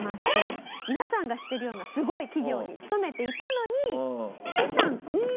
皆さんが知ってるようなすごい企業に勤めていたのに。